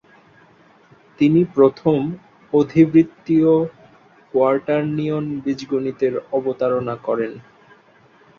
তিনি প্রথম অধিবৃত্তীয় কোয়াটার্নিয়ন বীজগণিতের অবতারণা করেন।